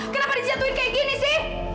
kenapa dijatuhin kayak gini sih